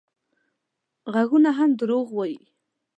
غږونه هم دروغ وايي